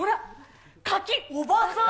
おばさん。